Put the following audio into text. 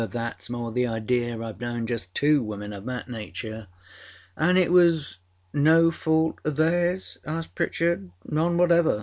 âThatâs more the idea. Iâve known just two women of that nature.â âAnâ it was no fault oâ theirs?â asked Pritchard. âNone whatever.